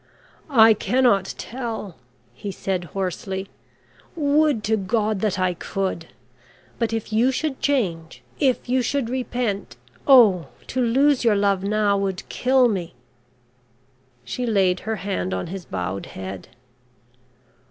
"I cannot tell," he said hoarsely. "Would to God that I could! But if you should change, if you should repent Oh! to lose your love now would kill me!" She laid her hand on his bowed head.